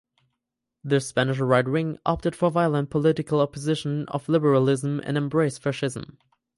The Spanish right wing opted for violent political opposition of liberalism and embraced fascism.